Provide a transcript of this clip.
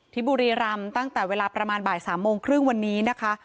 บุรีรำตั้งแต่เวลาประมาณบ่าย๓โมงครึ่งวันนี้นะคะ